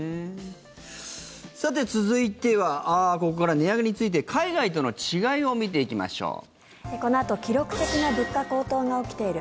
さて、続いてはここからは値上げについて海外との違いを見ていきましょう。